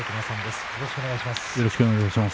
よろしくお願いします。